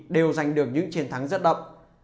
đều giành được những chiến thắng rất đậm